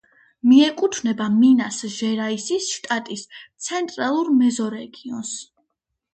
მიეკუთვნება მინას-ჟერაისის შტატის ცენტრალურ მეზორეგიონს.